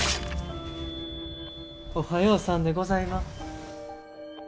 おはようさんでございます。